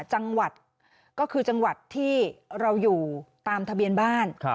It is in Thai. จังหวัดก็คือจังหวัดที่เราอยู่ตามทะเบียนบ้าน